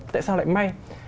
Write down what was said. tại sao lại may